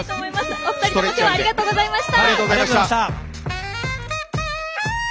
お二人どうもありがとうございました。